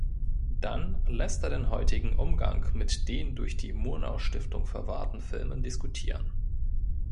Dann lässt er den heutigen Umgang mit den durch die Murnau-Stiftung verwahrten Filmen diskutieren.